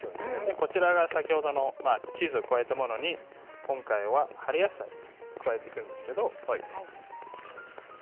先ほどのチーズを加えたものに今回は春野菜を加えていくんですけど。